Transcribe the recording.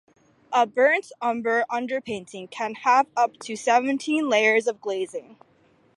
A burnt umber underpainting can have up to seventeen layers of glazing.